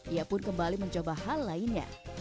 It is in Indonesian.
ia pun kembali mencoba hal lainnya